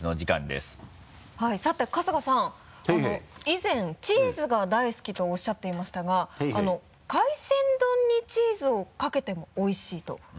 以前チーズが大好きとおっしゃっていましたが海鮮丼にチーズをかけてもおいしいと。